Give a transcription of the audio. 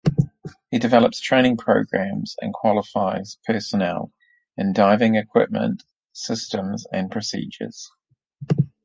He develops training programs and qualifies personnel in diving equipment, systems and procedures.